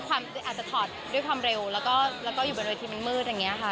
อาจจะถอดด้วยความเร็วแล้วก็อยู่บนเวทีมันมืดอย่างนี้ค่ะ